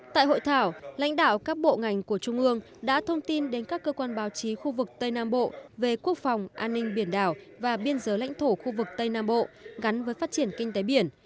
tại hội thảo lãnh đạo các bộ ngành của trung ương đã thông tin đến các cơ quan báo chí khu vực tây nam bộ về quốc phòng an ninh biển đảo và biên giới lãnh thổ khu vực tây nam bộ gắn với phát triển kinh tế biển